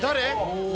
誰？